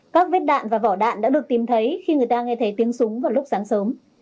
các vết đạn và vỏ đạn đã được tìm thấy khi người ta nghe thấy tiếng súng vào lúc sáng sớm